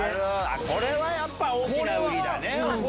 これはやっぱ大きな売りだね。